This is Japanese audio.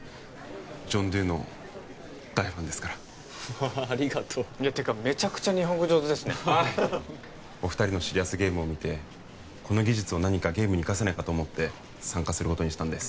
ジョン・ドゥの大ファンですからありがとうっていうかメチャクチャ日本語上手ですねお二人のシリアスゲームを見てこの技術を何かゲームに生かせないかと思って参加することにしたんです